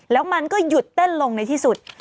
แล้วมันก็หยุดเต้นลงในที่สุด